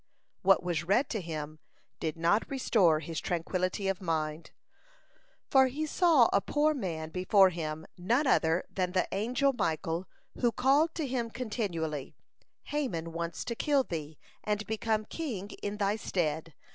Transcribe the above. (166) What was read to him, did not restore his tranquility of mind, for he saw a poor man before him none other than the angel Michael who called to him continually: "Haman wants to kill thee, and become king in thy stead.